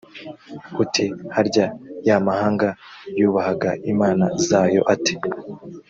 uti «harya, ya mahanga yubahaga imana zayo ate?,